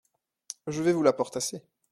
Je vais vous l’apportasser !